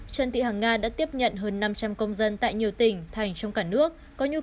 trần tị hằng nga đã tiếp nhận hơn năm trăm linh công dân tại nhiều tỉnh thành trong cả nước